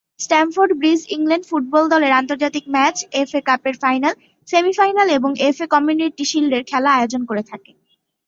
Stamford Bridge England football দলের আন্তর্জাতিক match, FA কাপের ফাইনাল, সেমিফাইনাল এবং এফএ কমিউনিটি শিল্ডের খেলা আয়োজন করে থাকে।